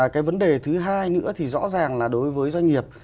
cái vấn đề thứ hai nữa thì rõ ràng là đối với doanh nghiệp